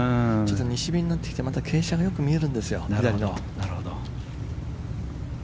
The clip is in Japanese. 西日になってきて傾斜がよく見えるんですよ。